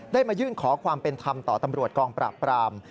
มายื่นขอความเป็นธรรมต่อตำรวจกองปราบปราม